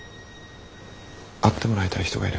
会ってもらいたい人がいる。